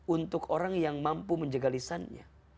untuk orang yang mampu menjaga lisannya